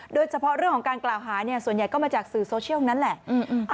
โดยเฉพาะเรื่องของการกล่าวหาเนี่ยส่วนใหญ่ก็มาจากสื่อโซเชียลนั้นแหละ